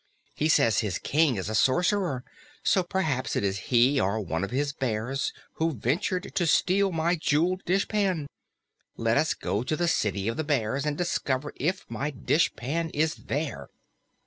"He says his King is a sorcerer, so perhaps it is he or one of his bears who ventured to steal my jeweled dishpan. Let us go to the City of the Bears and discover if my dishpan is there."